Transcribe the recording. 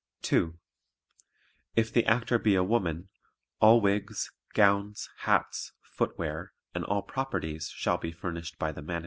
(2) If the Actor be a woman, all wigs, gowns, hats, footwear and all "properties" shall be furnished by the Manager.